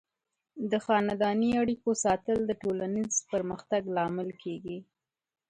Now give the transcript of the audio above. د خاندنۍ اړیکو ساتل د ټولنیز پرمختګ لامل کیږي.